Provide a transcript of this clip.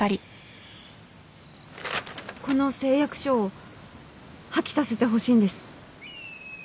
この誓約書を破棄させてほしいんです。